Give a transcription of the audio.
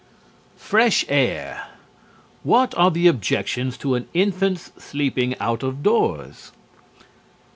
FRESH AIR _What are the objections to an infant's sleeping out of doors?